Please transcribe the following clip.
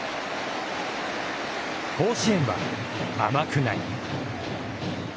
甲子園は甘くない。